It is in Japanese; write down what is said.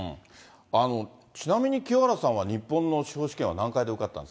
ちなみに清原さんは、日本の司法試験は何回で受かったんです